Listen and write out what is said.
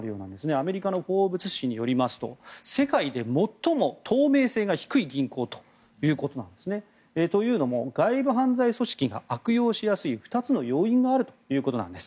アメリカの「フォーブス」誌によりますと世界で最も透明性が低い銀行ということなんですね。というのも、外部犯罪組織が悪用しやすい２つの要因があるということです。